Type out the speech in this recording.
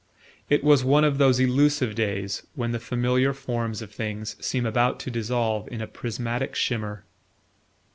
It was one of those elusive days when the familiar forms of things seem about to dissolve in a prismatic shimmer.